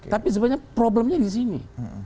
tapi sebenarnya problemnya di sini